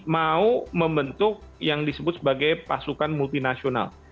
mau membentuk yang disebut sebagai pasukan multinasional